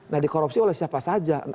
nah dikorupsi oleh siapa saja